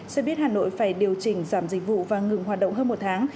xe buýt hà nội phải điều chỉnh giảm dịch vụ và ngừng hoạt động hơn một tháng